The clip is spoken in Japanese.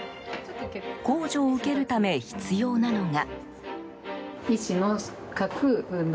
控除を受けるため必要なのが。